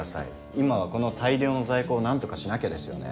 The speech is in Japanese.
今はこの大量の在庫をなんとかしなきゃですよね。